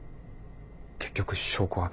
結局証拠は。